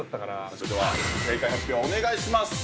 ◆それでは、正解発表をお願いします。